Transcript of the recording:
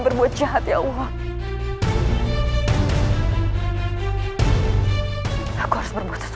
berbuat jahat ya allah aku harus berbuat sesuatu